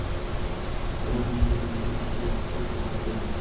solar nevarasin koʼrpachasiga.